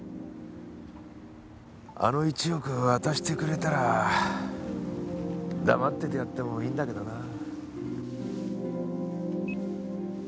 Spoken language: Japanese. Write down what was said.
あの１億を渡してくれたら黙っててやってもいいんだけどなぁ。